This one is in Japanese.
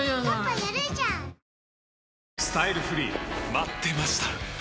待ってました！